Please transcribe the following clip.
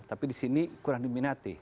tapi di sini kurang diminati